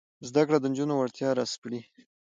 زده کړه د نجونو وړتیاوې راسپړي.